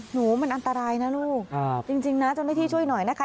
หนูมันอันตรายนะลูกจริงนะเจ้าหน้าที่ช่วยหน่อยนะคะ